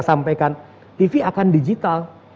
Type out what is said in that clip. sampaikan tv akan digital